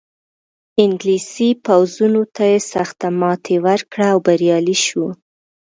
انګلیسي پوځونو ته یې سخته ماتې ورکړه او بریالی شو.